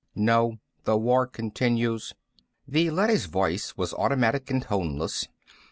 "No. The war continues." The leady's voice was automatic and toneless.